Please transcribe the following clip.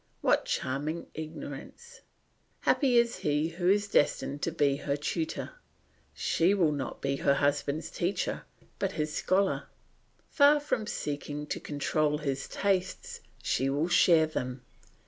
What charming ignorance! Happy is he who is destined to be her tutor. She will not be her husband's teacher but his scholar; far from seeking to control his tastes, she will share them.